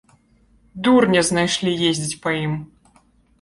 Дурня знайшлі, ездзіць па ім!